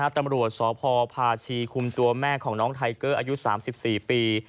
ตำรวจสพพาชีคุมตัวแม่ของน้องไทเกอร์อายุ๓๔ปี